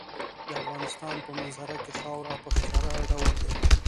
د افغانستان په منظره کې خاوره په ښکاره ډول دي.